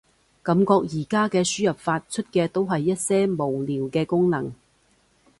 感覺而家嘅輸入法，出嘅都係一些無聊嘅功能